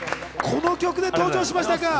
この曲で登場しましたか。